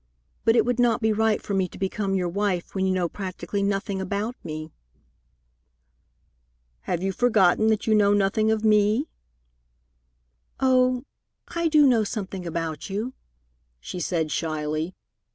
But it would not be right for me to become your wife when you know practically nothing about me." "Have you forgotten that you know nothing of me?" "Oh, I do know something about you," she said shyly.